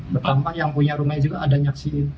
pertama yang punya rumah juga ada nyaksinya